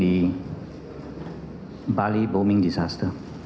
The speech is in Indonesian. di bali bombing disaster